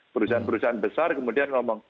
perusahaan perusahaan besar kemudian ngomong